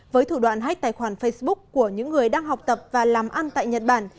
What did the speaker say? với thủ đoạn hách tài khoản facebook của những người đang học tập và làm ăn tại nhật bản